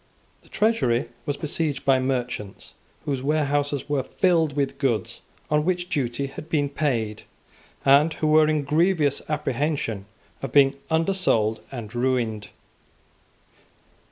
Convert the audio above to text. The Treasury was besieged by merchants whose warehouses were filled with goods on which duty had been paid, and who were in grievous apprehension of being undersold and ruined.